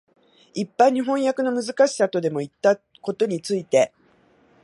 一般に飜訳のむずかしさとでもいったことについて、